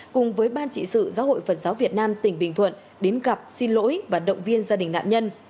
cùng với ban trị sự giáo hội phật giáo việt nam tỉnh bình thuận đến gặp xin lỗi và động viên gia đình nạn nhân